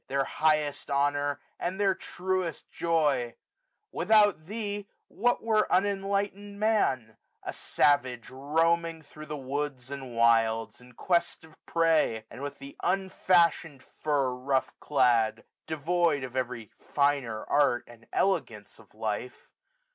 1755 Their highest honour, and their truest joy ! Without thee, what were unenlightened Man ? A savage roaming thro' the woods and wilds. In quest of prey ; and with th* unfashion'd fur Rough clad ; devoid of every finer art, 1760 And elegance of life.